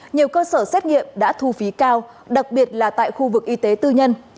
nhiều cơ sở xét nghiệm đã thu phí cao đặc biệt là tại khu vực y tế tư nhân